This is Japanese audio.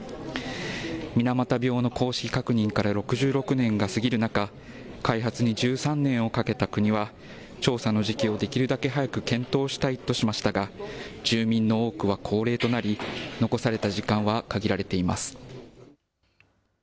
水俣病の公式確認から６６年が過ぎる中、開発に１３年をかけた国は、調査の時期をできるだけ早く検討したいとしましたが、住民の多くは高齢となり、残された時間は限られています。